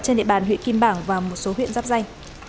trên địa bàn huyện kim bằng và một số huyện giáp dây